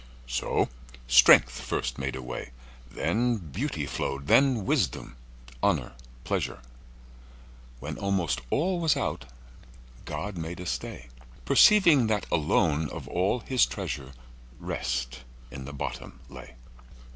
So strength first made a way, Then beauty flow'd, then wisdom, honour, pleasure; When almost all was out, God made a stay, Perceiving that, alone of all His treasure, Rest in the bottom lay.